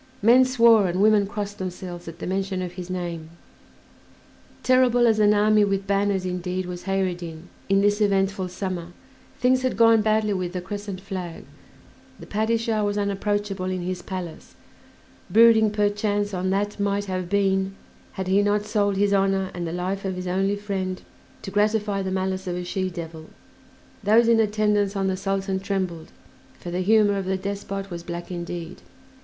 Men swore and women crossed themselves at the mention of his name. "Terrible as an army with banners," indeed, was Kheyr ed Din in this eventful summer: things had gone badly with the crescent flag, the Padishah was unapproachable in his palace, brooding perchance on that "might have been" had he not sold his honor and the life of his only friend to gratify the malice of a she devil; those in attendance on the Sultan trembled, for the humor of the despot was black indeed.